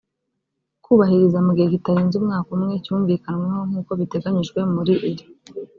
kubahiriza mu gihe kitarenze umwaka umwe cyumvikanweho nk uko biteganyijwe muri iri